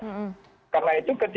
sebagian data sudah berangkat